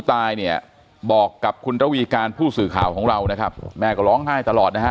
ตายเนี่ยบอกกับคุณระวีการผู้สื่อข่าวของเรานะครับแม่ก็ร้องไห้ตลอดนะฮะ